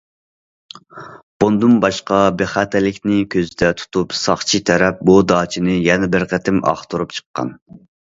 بۇندىن باشقا، بىخەتەرلىكنى كۆزدە تۇتۇپ، ساقچى تەرەپ بۇ داچىنى يەنە بىر قېتىم ئاختۇرۇپ چىققان.